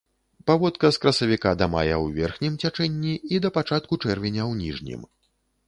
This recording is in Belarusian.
Паводка з красавіка да мая ў верхнім цячэнні і да пачатку чэрвеня ў ніжнім.